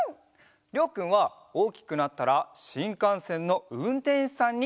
りょうくんはおおきくなったらしんかんせんのうんてんしさんになりたいんだって。